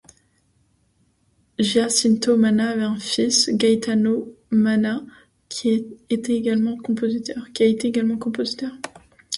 Giacinto Manna avait un fils, Gaetano Manna, qui a été également compositeur.